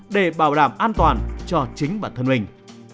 để bảo đảm an toàn cho chính bản thân mình